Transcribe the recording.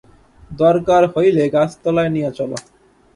দরকার হইলে গাছতলায় নিয়া চল।